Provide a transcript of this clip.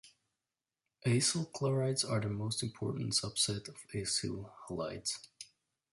Acyl chlorides are the most important subset of acyl halides.